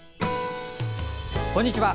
こんにちは。